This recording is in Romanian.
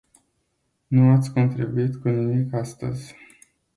Nu ați contribuit cu nimic astăzi.